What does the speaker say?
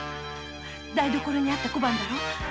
台所にあった小判だろ？